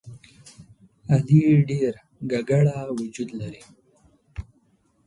علي ډېر ګګړه وجود لري.